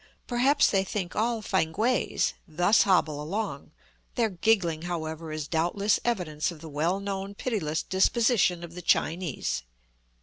Perhaps they think all Pankwaes thus hobble along; their giggling, however, is doubtless evidence of the well known pitiless disposition of the Chinese.